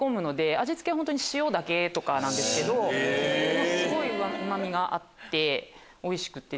味付けは塩だけとかなんですけどすごいうま味があっておいしくて。